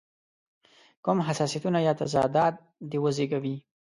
کوم حساسیتونه یا تضادات دې وزېږوي.